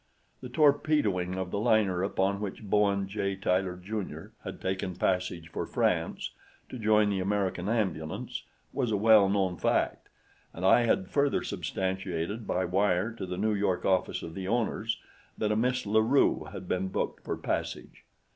The torpedoing of the liner upon which Bowen J. Tyler, Jr., had taken passage for France to join the American Ambulance was a well known fact, and I had further substantiated by wire to the New York office of the owners, that a Miss La Rue had been booked for passage.